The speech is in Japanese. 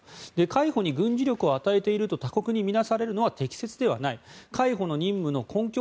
海保に軍事力を与えていると他国に見なされるのは適切ではない海保の任務の根拠